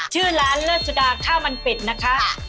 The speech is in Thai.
ที่ร้านเลวันสุดาข้าวมันเปร็จนะคะ